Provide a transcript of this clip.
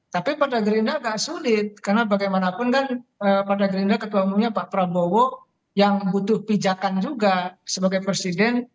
tapi pada gerindra agak sulit karena bagaimanapun kan pada gerindra ketua umumnya pak prabowo yang butuh pijakan juga sebagai presiden